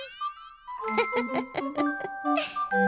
フフフフ。